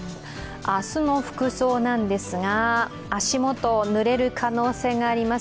明日の服装なんですが、足元ぬれる可能性があります。